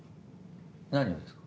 何をですか？